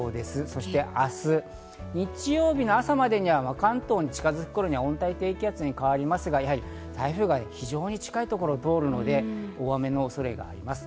そして明日、日曜日の朝までには関東に近づく頃には温帯低気圧に変わりますが、やはり台風が非常に近いところを通るので大雨の恐れがあります。